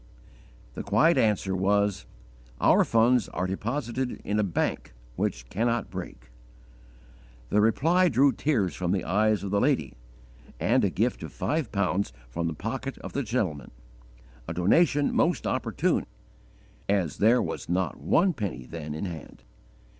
The quiet answer was, "Our funds are deposited in a bank which cannot break." The reply drew tears from the eyes of the lady, and a gift of five pounds from the pocket of the gentleman a donation most opportune, as there was _not one penny then in hand.